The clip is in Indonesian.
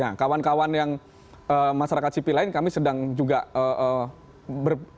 nah kawan kawan yang masyarakat sipil lain kami sedang juga berpikir